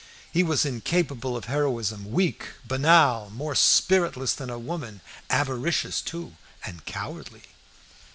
He was incapable of heroism, weak, banal, more spiritless than a woman, avaricious too, and cowardly.